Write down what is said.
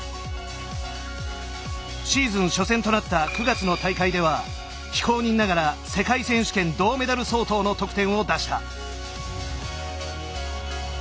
シーズン初戦となった９月の大会では非公認ながら、世界選手権銅メダル相当の得点を出した。